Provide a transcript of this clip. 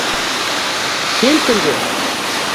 Кем көлдө?